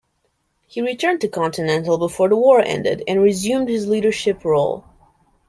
He returned to Continental before the war ended and resumed his leadership role.